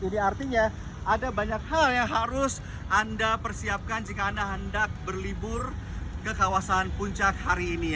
ini artinya ada banyak hal yang harus anda persiapkan jika anda hendak berlibur ke kawasan puncak hari ini